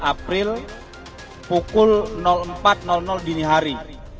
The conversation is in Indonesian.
enam belas april pukul empat dini hari